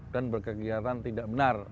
dan berkegiatan tidak benar